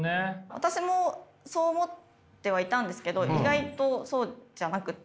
私もそう思ってはいたんですけど意外とそうじゃなくって。